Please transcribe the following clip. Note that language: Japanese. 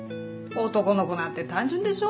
男の子なんて単純でしょ？